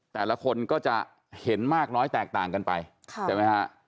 แต่ละคนก็จะเห็นมากน้อยแตกต่างกันไปใช่ไหมฮะ